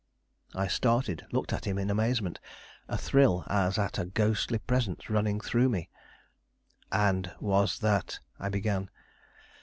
I started, looked at him in amazement, a thrill as at a ghostly presence running through me. "And was that " I began.